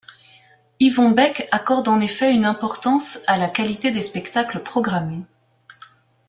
Yvon Bec accorde en effet une importance à la qualité des spectacles programmés.